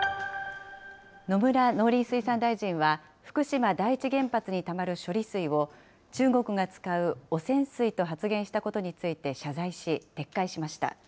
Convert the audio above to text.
野村農林水産大臣は、福島第一原発にたまる処理水を、中国が使う汚染水と発言したことについて謝罪し、撤回しました。